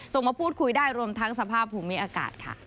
มาพูดคุยได้รวมทั้งสภาพภูมิอากาศค่ะ